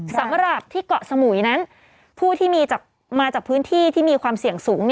สำหรับที่เกาะสมุยนั้นผู้ที่มาจากพื้นที่ที่มีความเสี่ยงสูง